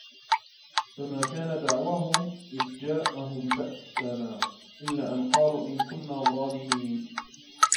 فما كان دعواهم إذ جاءهم بأسنا إلا أن قالوا إنا كنا ظالمين